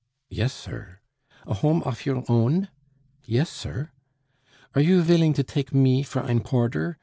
"Yes, sir." "A home off your own?" "Yes, sir." "Are you villing to take me for ein poarder?